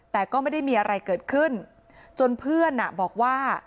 แต่ก็ไม่ได้มีอะไรเกิดขึ้นจนเพื่อนบอกว่า